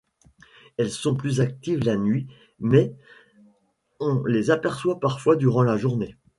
Elles sont plus actives la nuit mais on les aperçoit parfois durant la journée.